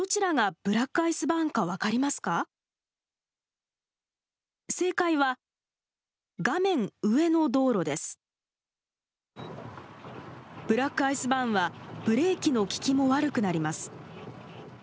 ブラックアイスバーンはブレーキの効きも悪くなります。